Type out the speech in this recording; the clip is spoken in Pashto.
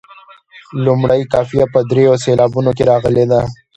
لومړۍ قافیه په دریو سېلابونو کې راغلې ده.